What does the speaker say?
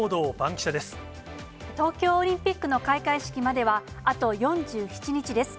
東京オリンピックの開会式までは、あと４７日です。